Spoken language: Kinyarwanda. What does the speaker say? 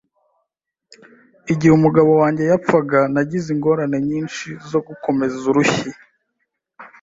Igihe umugabo wanjye yapfaga, nagize ingorane nyinshi zo gukomeza urushyi.